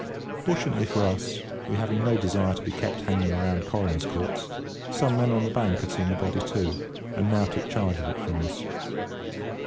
Fortunately for us—we having no desire to be kept hanging about coroners' courts—some men on the bank had seen the body too, and now took charge of it from us.